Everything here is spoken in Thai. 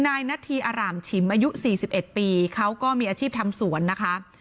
นายนาธีอร่ามชิมอายุ๔๑ปีเขาก็มีอาชีพทำสวนนะคะ